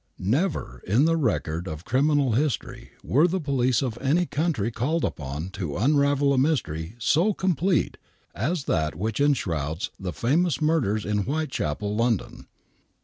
Vh}:. I Never in the record of criminal history were the police of any country called upon to unravel a mystery so complete as that which enshrouds the famous murders in Whitechapel, London.